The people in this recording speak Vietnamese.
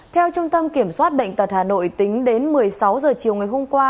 theo trung tâm kiểm soát bệnh tật hà nội tính đến một mươi sáu h chiều ngày hôm qua